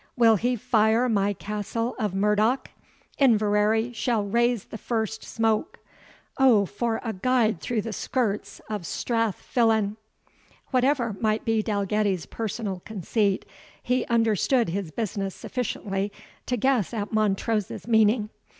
Will he fire my castle of Murdoch? Inverary shall raise the first smoke. O for a guide through the skirts of Strath Fillan!" Whatever might be Dalgetty's personal conceit, he understood his business sufficiently to guess at Montrose's meaning.